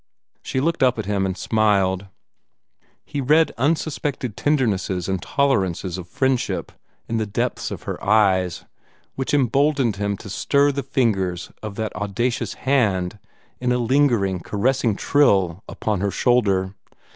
She looked up at him and smiled. He read unsuspected tendernesses and tolerances of friendship in the depths of her eyes, which emboldened him to stir the fingers of that audacious hand in a lingering, caressing trill upon her shoulder.